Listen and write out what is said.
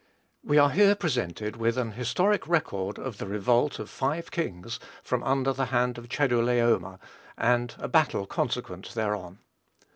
We are here presented with an historic record of the revolt of five kings from under the hand of Chedorlaomer, and a battle consequent thereon.